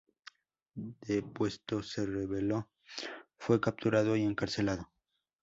Depuesto, se rebeló, fue capturado y encarcelado.